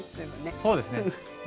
そうですね。